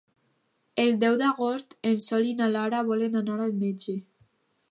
El deu d'agost en Sol i na Lara volen anar al metge.